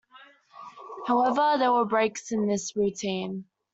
However, there were breaks in this routine.